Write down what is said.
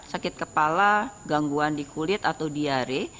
sakit kepala gangguan di kulit atau diare